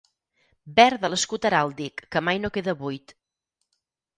Verd de l'escut heràldic que mai no queda buit.